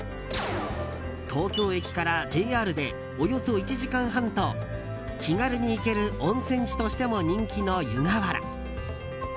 東京駅からＪＲでおよそ１時間半と気軽に行ける温泉地としても人気の湯河原。